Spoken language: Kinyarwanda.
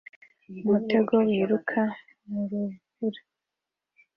umutego wiruka mu rubura